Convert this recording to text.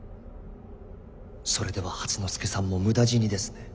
それでは初之助さんも無駄死にですね。